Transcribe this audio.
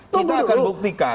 kita akan buktikan